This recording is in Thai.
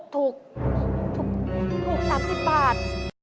ถูก๓๐บาท